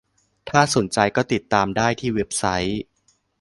ถ้าสนใจก็ติดตามได้ที่เว็บไซต์